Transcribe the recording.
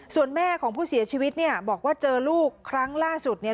ส่วนแม่ของผู้เสียชีวิตเนี่ยบอกว่าเจอลูกครั้งล่าสุดเนี่ย